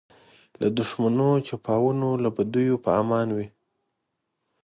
له دښمنو چپاوونو له بدیو په امان وي.